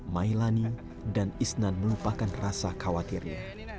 mailangi dan isna melupakan rasa khawatirnya